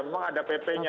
memang ada pp nya